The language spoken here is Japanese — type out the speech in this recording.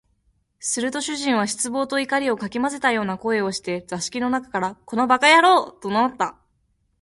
すると主人は失望と怒りを掻き交ぜたような声をして、座敷の中から「この馬鹿野郎」と怒鳴った